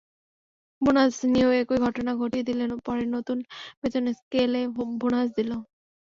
Bonus নিয়েও একই ঘটনা ঘটিয়ে পরে নতুন বেতন স্কেলে বোনাস দিল।